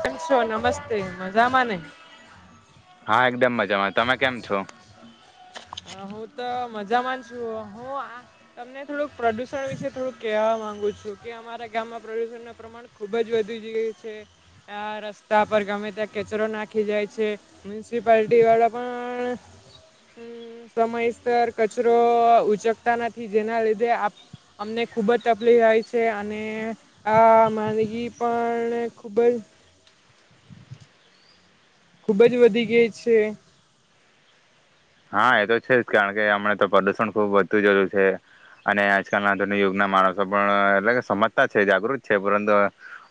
કેમ છો નમસ્તે મજામાંને. હા, એકદમ મજામાં તમે કેમ છો. અ, હું તો મજામાં છું હું આ તમને થોડુંક પ્રદૂષણ વિશે થોડુંક કહેવા માગું છું કે અમારા ગામમાં પ્રદૂષણનું પ્રમાણ ખૂબ જ વધી ગયું છે. આ રસ્તા પર ગમે ત્યાં કચરો નાખી જાય છે, મ્યુનિસિપાલટી વાળા પણ અમ સમયસર કચરો ઉચકતા નથી જેના લીધે આ અમને ખુબ જ તકલીફ આઈ છે અને આ માંદગી પણ ખૂબ જ ખૂબ જ વધી ગઈ છે. હા એ તો છે જ કારણ કે હમણા તો પ્રદુષણ ખુબ વધતું જતું છે અને આજકાલના આધુનિક યુગના માણસો પણ એટલે સમજતા છે જાગૃત છે પરંતુ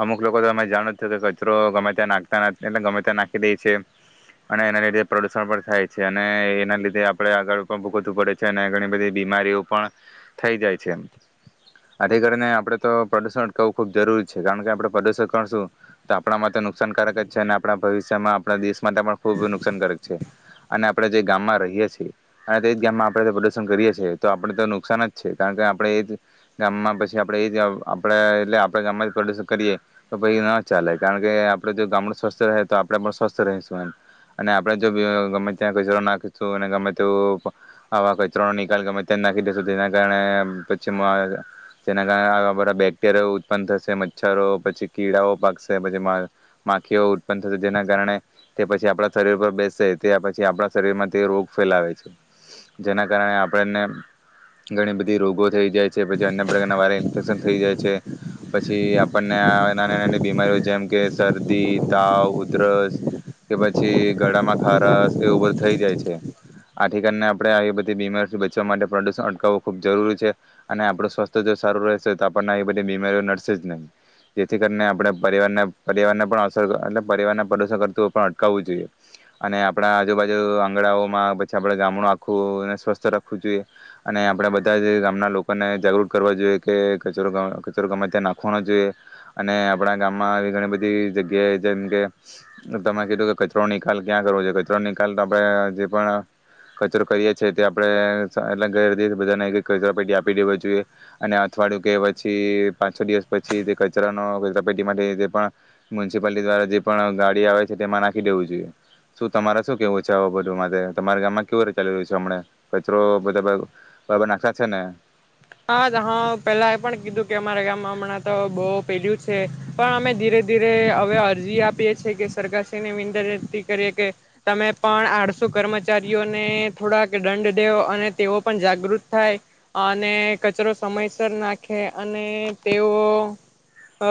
અમુક લોકો તો તમે જાણો જ છે કે કચરો ગમે ત્યાં નાખતા એટલે ગમે ત્યાં નાખી દે છે અને એના લીધે પ્રદુષણ પણ થાય છે અને એ એના લીધે આપણે આગળ [unintelligible] પડે છે અને ઘણી બધી બીમારીઓ પણ થઈ જાય છે. આથી કરીને આપણે તો પ્રદુષણ અટકાવવું ખુબ જરૂરી છે, કારણ કે આપણે પ્રદુષણ અટકવશું તો આપણા માટે નુકસાનકારક જ છે, અને આપણા ભવિષ્યમાં આપણા દેશ માટે પણ ખુબ નુકસાનકારક છે, અને આપણે જે ગામમાં રહીએ છીએ અને તે જ ગામમાં આપણે પ્રદુશન કરીએ છીએ તો આપણે તો નુકસાન જ છે કારણ કે આપણે એ જ ગામમાં પછી આપણે એ આપણે એટલે આપણે ગામમાં જ પ્રદુશન કરીએ તો પછી ન ચાલે કારણ કે આપડે જો ગામડું સ્વસ્થ રહે તો આપણે પણ સ્વસ્થ રહીશું એમ અને આપણે જો [unintelligible] ગમે ત્યાં કચરો ના થુ અને ગમેતેવુ આવા કચરોનો નિકાલ ગમે ત્યાં નાખી દેસું તેના કારણે પછી મો જેના કારણે આવા બધા બેક્ટેરિયા ઉત્પન થશે મચ્છરો પછી કીડાઓ પાકશે પછી મા માંખીઓ ઉત્પન્ન થશે જેના કારણે તે પછી આપણા શરીર પર બેસેશે તે આ પછી આપણા શરીરમાં તે રોગ ફેલાવે છે જેના કારણે આપણને ઘણી બધી રોગો થઈ જાય છે પછી અન્ય પ્રકારના વાર ઇન્ફેક્શન થઈ જાય છે પછી આપણને આ નાની નાની બીમારીઓ જેમ કે શરદી તાવ ઉધરસ કે પછી ગળામાં ખારસ એવુ બ થઈ જાય છે આથી કરીને આપણે આ બધી બીમારીઓથી બચવા માટે પ્રદુષણ અટકાવવું ખુબ જરૂરી છે અને આપણું સ્વાસ્થ જો સારું રહેશે તો આપણને બધી બીમારીઓ નડશે જ નહીં જેથી કરીને આપણે પરિવાર-પરિવારને પણ અસર એટલે પરિવાર પ્રદૂષણ કરતું પણ અટકાવવું જોઈએ અને આપણા આજુબાજુ આગણાઓમાં પછી આપણે ગામડું આખુંને સ્વસ્થ રાખવું જોઈએ અને આપણે બધા જ ગામના લોકોને જાગૃત કરવા જોઈએ કે કચરો ગ કચરો ગમે ત્યાં નાખવાનો જોઈએ અને આપણા ગામમાં આવી ઘણી બધી જગ્યાએ જેમકે તમે કીધું કે કચરોનો નિકાલ ક્યાં કરવો જોઈએ કચરો નિકાલ તો પ જે પણ કચરો કરીએ છીએ તે આપણે ઘર દીઠ બધાને એક-એક કચરા પેટી આપી દેવા જોઈએ અને અઠવાડિયું કે પછી પાંચ છ દિવસ પછી તે કચરા નો કચરાપેટી માથી પણ મ્યુનિસિપાલિટી દ્વારા જે પણ ગાડી આવે છે તેમાં નાખી દેવું જોઈએ શું તમારે શું કેવું. જાવું બધું માટે તમારા ગામમાં કેવું રીતે ચાલી રહ્યું છે હમણે. કચરો બધે બ બરાબર નાખતા છે ને. હા હ પેલા એ પણ કીધું કે અમારા ગામમાં હમણાં તો બહુ પેલું છે પણ અમે ધીરે-ધીરે હવે અરજી આપીએ છીએ કે સરકારશ્રીની વિંતથી કરીએ કે તમે પણ આળસુ કર્મચારીઓને થોડાક દંડ દેવ અને તેઓ પણ જાગૃત થાય અને કચરો સમયસર નાખે અને તેઓ અ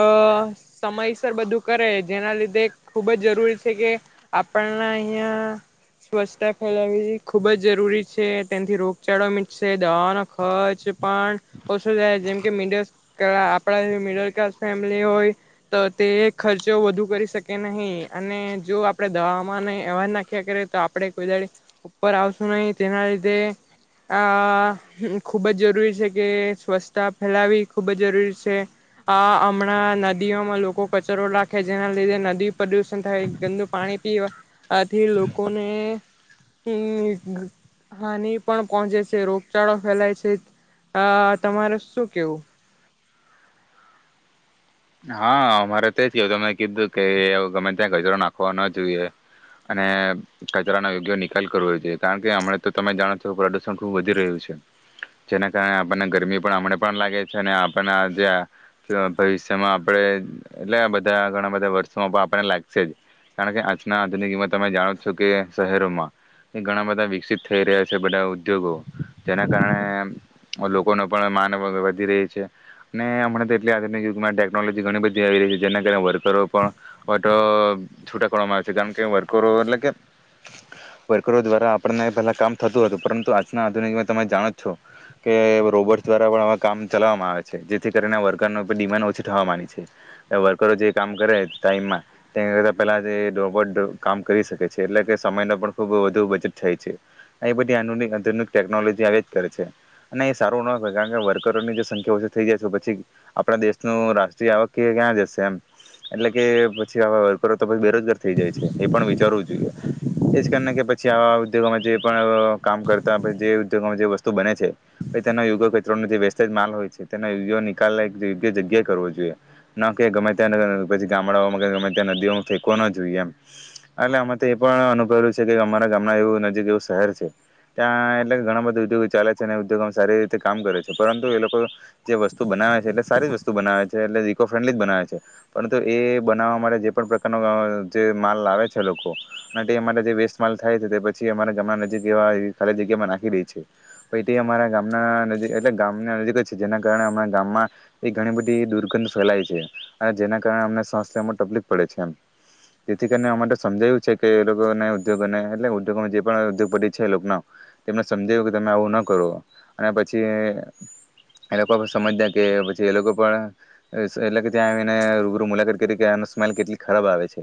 સમયસર બધું કરે જેના લીધે ખૂબ જ જરૂરી છે કે આપણા અહીંયા સ્વચ્છતા ફેલાવવી ખૂબ જ જરૂરી છે તેનથી રોગચાળો મીટશે દવાઓનો ખર્ચ પણ ઓછુ થાય જેમકે મિડ કળા આપણા મિડલ ક્લાસ ફેમિલી હોય તો તે ખર્ચો વધુ કરી શકે નહીં અને જો આપણે દવાવમાં ને એમાં જ નાખ્યા કરીએ તો આપણે કોઈ દાડી ઉપર આવશું નહીં તેના લીધે આ ખૂબ જ જરૂરી છે. કે સ્વચ્છતા ફેલાવી ખુબ જ જરૂરી છે આ હમણાં નદીઓમાં લોકો કચરો નાખે જેના લીધે નદી પ્રદુષણ થાય ગંદુ પાણી પીવાથી લોકોને હમ હાનિ પણ પહોંચે છે રોગચાળો ફેલાય છે. હ તમારે શું કેવું. હા અમારે તો એજ કહેવું તમે કીધું કે ગમે ત્યાં કચરો નાખવો ન જોઈએ અને કચરાનો યોગ્ય નિકાલ કરવો જોઈએ કારણ કે હમણાં તો તમે જાણો છો પ્રદૂષણ ખુબ વધી રહ્યું છે જેના કારણે આપણને ગરમી પણ હમણે પણ લાગે છે અને આપણા જ્યાં ભવિષ્ય માં આપણે એટલે બધા ઘણા બધા વર્ષોમાં પણ આપણને લાગશે જ કારણ કે આજના આધુનિક યુગમાં તમે જાણો જ છો કે શહેરોમાં કે ઘણા બધા વિકસિત થઈ રહ્યા છે બધા ઉદ્યોગો જેના કારણે લોકોનો પણ માન વધી રહી છે અને હમણાં તો એટલી આધુનિક ટેકનોલોજી ઘણી બધી આવી રહી છે જેના કારણે વર્કરો પણ અવે તો છૂટા કરવામાં આવે છે કારણ કે વર્કરો એટલે કે વર્કરો દ્વારા આપણને પહેલા કામ થતું હતું પરંતુ આજના આધુનિક યુગમાં તમે જાણો છો કે રોબોટ દ્વારા પણ અવે કામ ચલાવવામાં આવે છે જેથી કરીને વર્કરનો ડિમાન્ડ થી થવા માડી છે એ વર્કરો જે કામ કરે ટાઈમમાં તેના કરતાં પેલા રોબોટ કામ કરી શકે છે એટલે કે સમયનો પણ ખૂબ વધુ બચત થાય છે એ બધી આધુનિક ટેકનોલોજી આવ્યા જ કરે છે અને એ સારું ન કહેવાય કારણ કે વર્કરોની જે સંખ્યા ઓછી થઈ જાય છે પછી આપણા દેશ નો રાષ્ટ્રીય આવક ક્યાં જશે એમ એટલે કે પછી આવા વર્કરો તો પછી બેરોજગાર થઈ જાય છે એ પણ વિચારવું જોઈએ એજ કારણે કે પછી આવા ઉદ્યોગોમાં જે પણ અ કામ કરતા પછી જે ઉદ્યોગોમાં જે વસ્તુ બને છે પછી તેના યોગ્ય કચરાનો જે વેસ્ટેજ માલ હોય છે તેના યોગ્ય નિકાલ થ એ જગ્યા કરવો જોઈએ ન કે ગમે ત્યાં પછી ગામડાઓમાં ગમે ત્યાં નદીઓ ફેંકવો ન જોઈએ એમ એટલે અમે તો એ પણ અનુભવ્યું છે કે અમારા ગામ ના એવું નજીક એવું શહેર છે ત્યાં એટલે ઘણા બધા ઉદ્યોગો ચાલે છે અને ઉદ્યોગો સારી રીતે કામ કરે છે પરંતુ એ લોકો જે વસ્તુ બનાવે છે એ સારી જ વસ્તુ બનાવે છે એટલે ઇકોફ્રેન્ડલી જ બનાવે છે પરંતુ એ બનાવવા માટે જે પણ પ્રકારનો અ જે માલ લાવે છે લોકો અને તે અમારે જે વેસ્ટ માલ થાય છે તે પછી અમારા ગામના નજીક એવા ખાલી જગ્યામાં નાખી દેય છે પહી તે અમારા ગામના નજીક એટલે ગામના નજીક જ જેના કારણે અમારા ગામમાં એ ઘણી બધી દુર્ગંધ ફેલાય છે અને જેના કારણે અમને શ્વાસ લેવામાં તકલીફ પડે છે એમ જેથી કરીને અમે તો સમજાવ્યું છે કે એ લોકોને ઉદ્યોગોને એટલે ઉદ્યોગમાં જે પણ ઉદ્યોગપતિ છે એ લોકનો તેમને સમજાવ્યું કે તમે આવું ન કરો અને પછી એ લોકો સમજદાર કે જે એ લોકો પણ એટલે કે ત્યાં આવીને રૂબરૂ મુલાકાત કરી કે આની સ્મેલ કેટલી ખરાબ આવે છે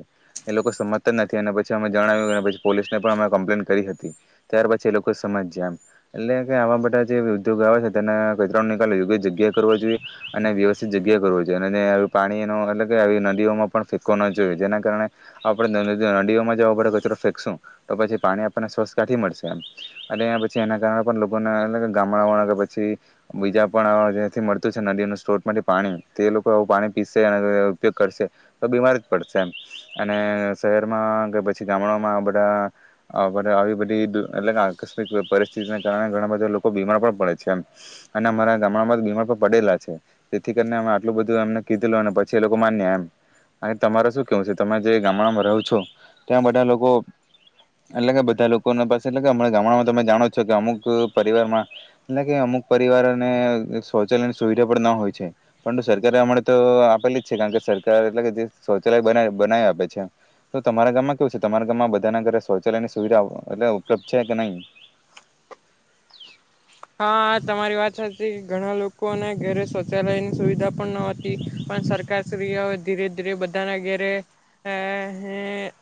એ લોકો સમજતા જ નથી અને પછી અમે જણાવ્યું અને પછી પોલીસને પણ અમે કમ્પ્લેન કરી હતી ત્યાર પછી એ લોકો સમજયા એમ એટલે કે આવા બધા જે ઉદ્યોગો આવે છે તેના કચરાનો નિકાલ યોગ્ય જગ્યાએ કરવો જોઈએ. અને વ્યવસ્થિત જગ્યાએ કરવો જોઈએ અને પાણી એનો એટલે કે આવી નદીઓમાં પણ ફેંકવો ન જોઈએ જેના કારણે આપણે નદ નદીઓમાં જો આવો કચરો ફેંકશું તો પછી પાણી આપણને સ્વચ્છ કાથી મળશે એમ અને પછી એના કારણે પણ લોકોને એ ગામડા કે પછી બીજા પણ જેથી મ નદીઓના સ્ત્રોતમાંથી પાણી તે લોકો આવું પાણી પીશે અને ઉપયોગ કરશે તો બીમાર જ પડશે એમ અને શહેરમાં કે પછી ગામડામાં આ બધા અ આવી બધી એટલે કે આકસ્મિક પરિસ્થિતિને કારણે ઘણા બધા લોકો બીમાર પણ પડે છે એમ અને અમારા ગામડામાં બીમાર પણ પડેલા છે જેથી કરીનેમે આટલું બધું એમને કીધેલું અને પછી એ લોકો માન્યા એમ તમારે શું કેવું છે તમે જે ગામડામાં રહો છો ત્યાં બધા લોકો એટલે કે બધા લોકોને પાસે એટલે ગામડામાં તમે જાણો છો કે અમુક પરિવારમાં એટલે કે અમુક પરિવારને શૌચાલયની સુવિધા પણ ના હોય છે પરંતુ સરકારે અમણે તો આપેલી જ છે કારણ કે સરકાર એટલે કે જે શૌચાલય બનાઈ બનાવી આપે છે તો તમારા ગામમાં કેવું છે તમારા ગામમાં બધાના ઘરે શૌચાલયની સુવિધા એટલે ઉપલબ્ધ છે કે નહીં? હા, તમારી વાત ઘણા લોકોને ઘરે શૌચાલયની સુવિધા પણ ન હતી પણ સરકારશ્રીઓ ધીરે-ધીરે બધાના ઘેરે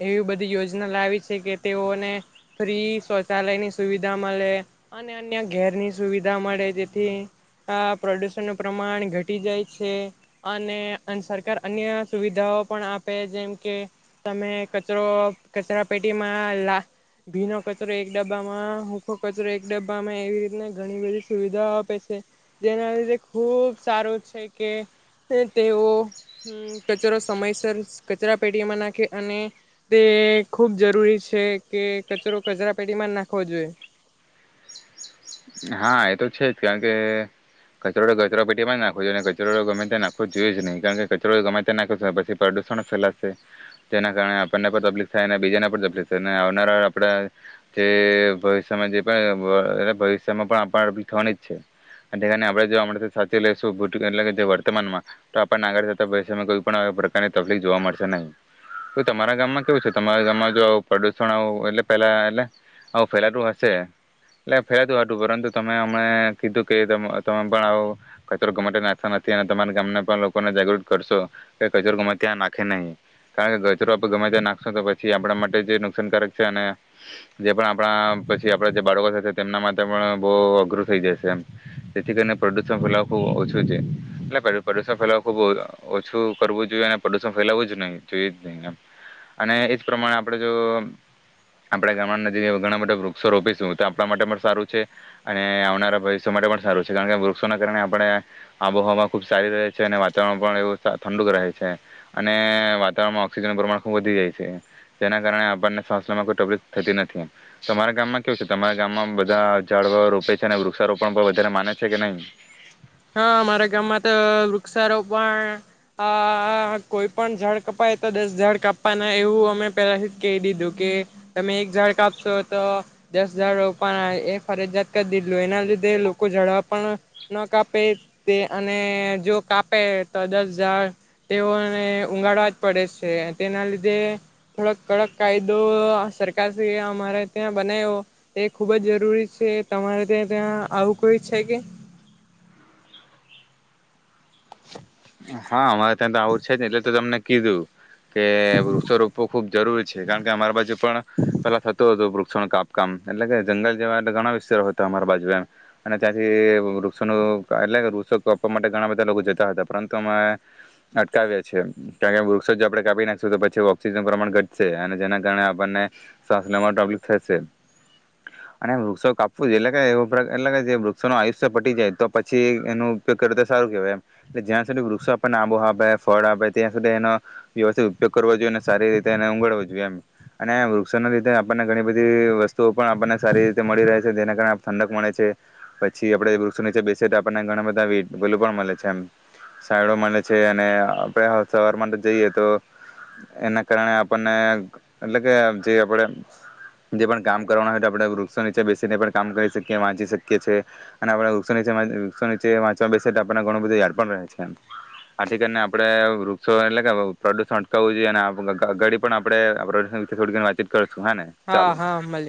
એવી બધી યોજના લાવી છે કે તેઓને ફ્રી શૌચાલયની સુવિધા મલે અને અન્ય ઘેરની સુવિધા મળે જેથી અ પ્રદૂષણનું પ્રમાણ ઘટી જાય છે અને ઘણી બધી સુવિધાઓ આપે છે જેના લીધે ખૂબ સારું છે કે તેઓ અમ્મ કચરો સમયસર કચરા પેટીમાં નાખે અને તે ખૂબ જરૂરી છે કે કચરો કચરાપેટીમાં જ નાખવો જોઈએ. હા, એ તો છે જ કારણ કે કચરો તો કચરોપેટીમાં નાખવો જોઈએ ને કચરો ગમે ત્યાં નાખવો જોઈએ જ નહી કારણ કે કચરો ગમે ત્યાં નાખવો પછી પ્રદુષણ જ ફેલાશે જેના કારણે આપણને પણ તકલીફ થાય અને બીજાને પર તપલીક થાય ને આવનારા આપણા જે ભવિષ્યમાં જે પણ અ એટલે ભવિષ્ય મા પણ આ પણ ઊભી થવાની જ છે અને તેને જો આપણે અમણે થી જ જો સાચવી લઈશું ભૂ એટલે કે વર્તમાનમાં તો આપણને આવી કોઈ પણ પ્રકારની તકલીફ જોવા મળશે નહીં તો તમારા ગામમાં કેવું છે તમારા ગામમાં જો આવું પ્રદૂષણ આવું એટલે પહેલા એટલે આવું ફેલાતું હશે એટલે ફેલાતું પરંતુ તમે હમણે કીધું કે તમ તમે પણ આવો કચરો ગમે ત્યાં નાખતા નથી અને તમારા ગામના પણ લોકોને જાગૃત કરશો કે કચરો ગમે ત્યાં નાખે નહી કારણ કે કચરો આપણે ગમે ત્યાં નાખશો તો પછી આપણા માટે જે નુકસાનકારક છે અને જે પણ આપણા પછી આપણા જે બાળકો સાથે તેમના મા પણ બહુ અઘરું થઈ જશે એમ જેથી કરીને પ્રદુષણ ફેલાવું ખૂબ ઓછું છે એટલે પ્રદૂષણ ફેલાવું ખૂબ ઓછું કરવું જોઈએ અને પ્રદૂષણ ફેલાવું જ નહીં જોઈએ જ નહીં એમ અને એજ પ્રમાણે આપણે જો આપણે ગામડા નજીક ઘણા બધા વૃક્ષો રોપીશું તો આપણા માટે પણ સારું છે અને આવનારા ભવિષ્ય માટે પણ સારું છે કારણ કે વૃક્ષોના કારણે આપણે આબોહવામાં ખૂબ સારી રહે છે અને વાતાવરણ પણ એવું ઠંડુક રહે છે અને વાતાવરણમાં ઓક્સિજનનું પ્રમાણ ખૂબ વધી જાય છે જેના કારણે આપણને શ્વાસ લેવામાં કોઈ તકલીફ થતી નથી તમારા ગામમાં કેવું છે તમારા ગામમાં બધા ઝાડવા રોપે છે અને વૃક્ષારોપણ પણ વધારે માને છે કે નહીં? હા, અમારા ગામમાં તો વૃક્ષારોપણ આ કોઈ પણ ઝાડ કપાય તો દસ ઝાડ કાપવાના એવું અમે પહેલાથી કેઇ દીધું કે તમે એક ઝાડ કાપશો તો દસ ઝાડ રોપવાના એ ફરજિયાત કરી દીધલુ એના લીધે લોકો ઝાડવા પણ ન કાપ તે અને જો કાપે તો દસ હજાર તેઓને ઉઊગાડવા જ પડે છે તેના લીધે થોડક કડક કાયદો સરકાર શ અમારે ત્યાં બનાવ્યો એ ખૂબ જ જરૂરી છે તમારે ત્યાં ત્યાં આવું કોઈ છે કે. હા અમારે ત્યાં તો આવું જ છે ને એટલે તો તમને કીધું કે વૃક્ષો રોપવું ખુબ જરૂરી છે કારણ કે અમારી બાજુ પણ પેલા થતું હતું વૃક્ષોનું કાપકામ એટલે કે જંગલ જવા ઘણા વિસ્તારો હતા અમારા બાજુ એમ અને ત્યાંથી વૃક્ષોનું એટલે કે વૃક્ષો કાપવા માટે ઘણા બધા લોકો જતા હતા પરંતુ. અટકાવ્યા છે કાર કે વૃક્ષો જો આપણે કાપી નાખશું તો પછી ઓક્સિજન પ્રમાણ ઘટશે અને જેના કારણે આપણને શ્વાસ લે પ્રોબ્ થશે અને વૃક્ષો કાપવું એટલે એટલે વૃક્ષો ન આયુષ્ય પટી જાય તો પછી એનો ઉપયોગ કરે તો સારુંહેવાય જ્યાં. વૃક્ષો આપણને આબો આપે ફળ આપે ત્યાં સુધી એનો વ્યવસ્થિત ઉપયોગ કરો જોઈએ અને સારી રીતે એ ગડવો જોઈએ એમ અને વૃક્ષોને લીધે આપણને ઘણી બધી વસ્તુઓ પણ આપણને સારી રીતે મળી રહે છે જેના કારણે ઠંડક મળે છે પછી આપડે વૃક્ષો નીચે બેસી તો આપણને ઘણા બધા વલ પણ મળે છે એ. સાડ મળે છે અને આપે સવારમાં તો જઈએ તો એના કારણે આપણને એટ કે જે આપડે જે પણ કામ કરવાનું હોય તો આપણે વૃક્ષો નીચે બેસીને પણ કામ કરી શકીએ વાંચી શકીએ છીએ અને આપણે વૃક્ષો નીચ વૃક્ષો ની વાંચવા બેસી આપનેણું બધું. આને આપડે વૃક્ષો એટલે કે પ્રદૂષણ અટકાવવું જોઈએ અને ગડી પણ આપણે વાતચીત કર હા હા મળ